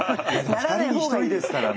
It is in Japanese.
２人に１人ですからね。